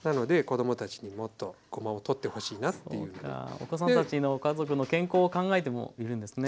お子さんたちの家族の健康を考えてもいるんですね。